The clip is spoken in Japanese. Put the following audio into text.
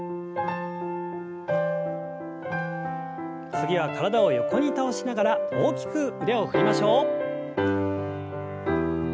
次は体を横に倒しながら大きく腕を振りましょう。